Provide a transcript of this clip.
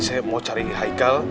saya mau cari haikal